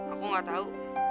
aku gak tahu